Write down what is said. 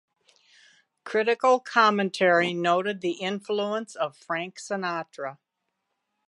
Critical commentary noted the influence of Frank Sinatra.